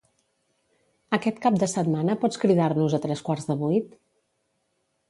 Aquest cap de setmana pots cridar-nos a tres quarts de vuit?